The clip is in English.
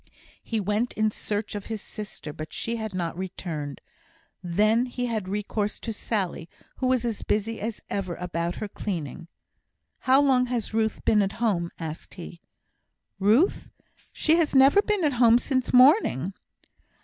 He went in search of his sister, but she had not returned. Then he had recourse to Sally, who was as busy as ever about her cleaning. "How long has Ruth been at home?" asked he. "Ruth! She has never been at home sin' morning.